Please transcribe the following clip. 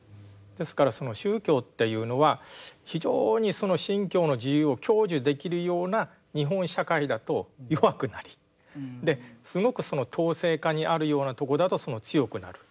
ですからその宗教というのは非常にその信教の自由を享受できるような日本社会だと弱くなりすごくその統制下にあるようなところだと強くなる。